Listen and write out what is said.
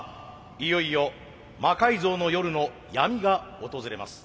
いよいよ「魔改造の夜」の闇が訪れます。